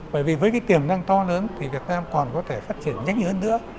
bởi vì với cái tiềm năng to lớn thì việt nam còn có thể phát triển nhanh hơn nữa